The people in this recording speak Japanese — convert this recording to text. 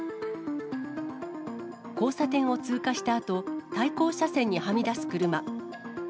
交差点を通過したあと、対向車線にはみ出す車。